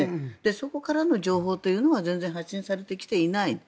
そこからの情報というのは全然発信してきていない。